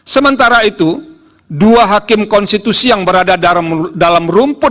sementara itu dua hakim konstitusi yang berada dalam rumput